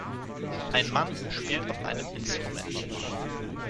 Ein Mann spielt auf einem Instrument.